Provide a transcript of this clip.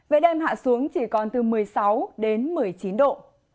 về đêm hạ xuống chỉ còn từ một mươi sáu đến một mươi chín độ